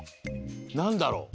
なんだろう？